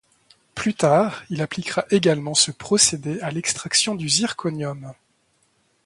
Plus tard, il appliquera également ce procédé à l'extraction du zirconium.